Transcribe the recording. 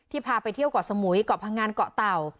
พาไปเที่ยวเกาะสมุยเกาะพังงานเกาะเต่า